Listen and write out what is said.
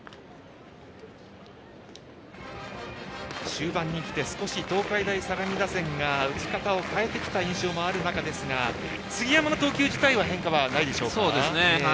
終盤に来て少し東海大相模打線が打ち方を変えてきたような印象もありますが杉山の投球自体変化はないでしょうか。